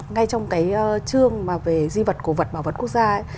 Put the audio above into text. ngay trong cái chương mà về di vật cổ vật bảo vật quốc gia ấy